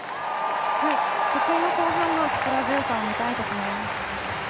得意の後半の力強さを見たいですね。